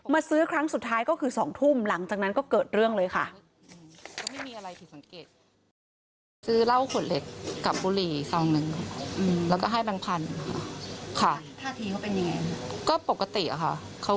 ซื้อครั้งสุดท้ายก็คือ๒ทุ่มหลังจากนั้นก็เกิดเรื่องเลยค่ะ